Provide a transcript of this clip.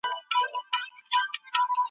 انجونو د تعلیم بشپړ حق درلود.